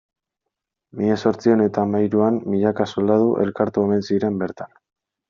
Mila zortziehun eta hamahiruan milaka soldadu elkartu omen ziren bertan.